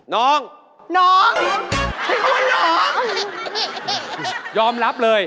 ถามพี่ปีเตอร์